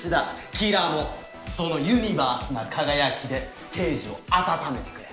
キラもそのユニバースな輝きでステージを温めてくれ。